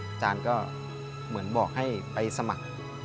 อาจารย์ก็เหมือนบอกให้ไปสมัคร